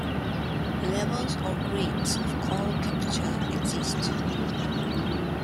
Levels or grades of call capture exist.